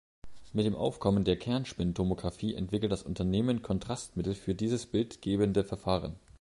Mit dem Aufkommen der Kernspintomographie entwickelt das Unternehmen Kontrastmittel für dieses bildgebende Verfahren.